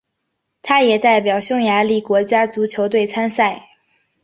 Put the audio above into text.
他也代表匈牙利国家足球队参赛。